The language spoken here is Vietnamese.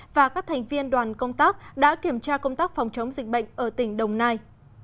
và các thành viên đoàn công tác đã kiểm tra công tác phòng chống dịch bệnh ở tỉnh đồng nai